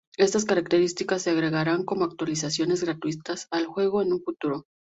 Estas características se agregarán como actualizaciones gratuitas al juego en un futuro.